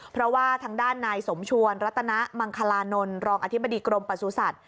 เพราะว่าทางด้านนายสมชวนรัตนมังคลานนท์รองอธิบดีกรมประสุทธิ